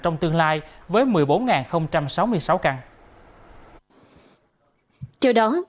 trong tương lai với một mươi bốn sáu mươi sáu căn